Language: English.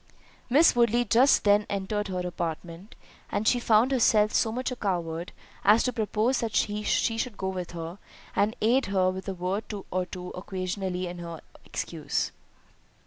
Miss Woodley just then entered her apartment, and she found herself so much a coward, as to propose that she should go with her, and aid her with a word or two occasionally in her excuse.